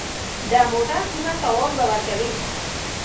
د موټر قیمت تاوان به ورکوې.